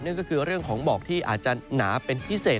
ก็คือเรื่องของหมอกที่อาจจะหนาเป็นพิเศษ